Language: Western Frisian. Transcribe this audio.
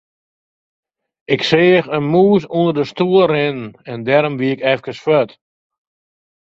Ik seach in mûs ûnder de stoel rinnen en dêrom wie ik efkes fuort.